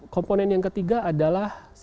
komponen yang ketiga adalah